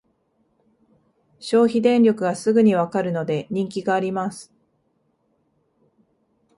消費電力がすぐにわかるので人気があります